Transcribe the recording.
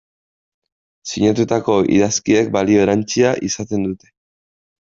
Sinatutako idazkiek balio erantsia izaten dute.